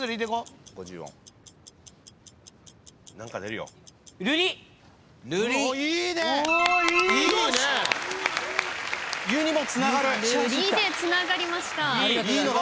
「るり」でつながりました。